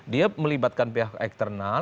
dia melibatkan pihak eksternal